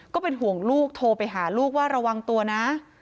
ก็เป็นห่วงลูกโทรไปหาลูกว่าระวังตัวนะ